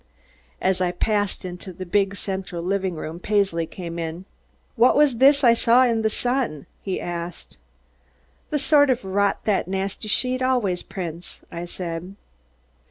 As I passed into the big, central living room, Paisley came in. "What was this I saw in The Sun?" he asked. "The sort of rot that nasty sheet always prints," I said.